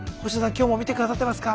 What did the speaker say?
今日も見てくださってますか？